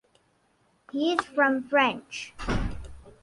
He’s from France.